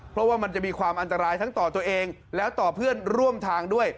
เพราะว่ามันจะมีความอันตรายทั้งต่อตัวเองแล้วต่อเพื่อนร่วมทางด้วย